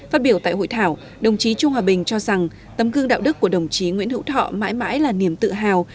phát biểu tại hội thảo đồng chí trung hòa bình cho rằng tấm gương đạo đức của đồng chí nguyễn hữu thọ mãi mãi là niềm tự hào